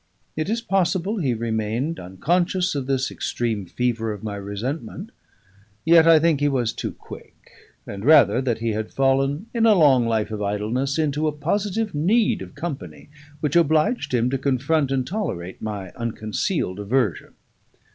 It is possible he remained unconscious of this extreme fever of my resentment; yet I think he was too quick; and rather that he had fallen, in a long life of idleness, into a positive need of company, which obliged him to confront and tolerate my unconcealed aversion.